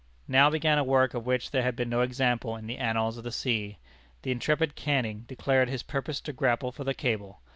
Now began a work of which there had been no example in the annals of the sea. The intrepid Canning declared his purpose to grapple for the cable!